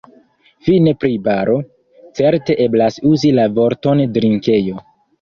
Fine pri baro: Certe eblas uzi la vorton drinkejo.